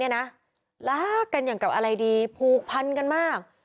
รักกันอย่างกับอะไรดีผูกพันกันมาก